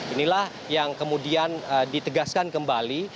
inilah yang kemudian ditegaskan kembali